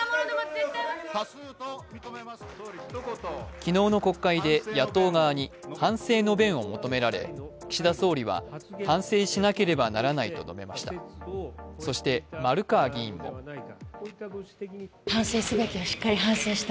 昨日の国会で野党側に反省の弁を求められ、岸田総理は、反省しなければならないと述べました。